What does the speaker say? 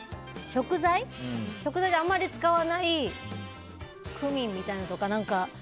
食材にあんまり使わないクミンみたいなのとか。